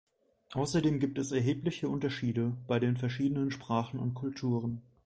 Außerdem gibt es erhebliche Unterschiede bei den verschiedenen Sprachen und Kulturen.